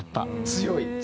強い。